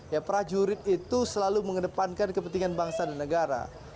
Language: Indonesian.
ya prajurit itu selalu mengedepankan kepentingan bangsa dan negara